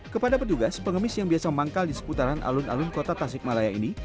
kepada petugas pengemis yang biasa manggal di seputaran alun alun kota tasikmalaya ini